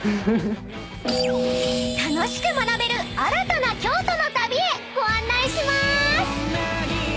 ［楽しく学べる新たな京都の旅へご案内しまーす］